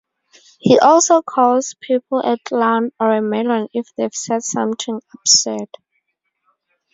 He also calls people a clown or a melon if they've said something absurd.